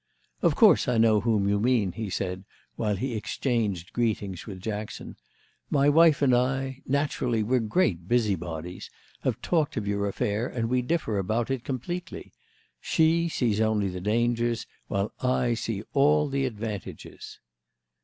"Of course I know whom you mean," he said while he exchanged greetings with Jackson. "My wife and I—naturally we're great busybodies—have talked of your affair and we differ about it completely. She sees only the dangers, while I see all the advantages."